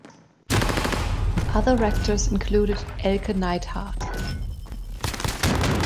Other actors included Elke Neidhardt.